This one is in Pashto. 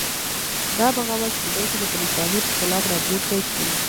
دا بغاوت کېدای شي د برتانیې په خلاف راپورته شي.